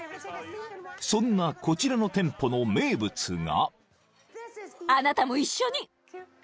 ［そんなこちらの店舗の名物が］